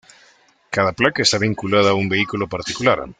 Cada placa está vinculada a un vehículo particular.